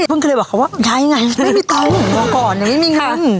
เพิ่งคือเลยบอกเขาว่าย้ายไงไม่มีต้องมีเงิน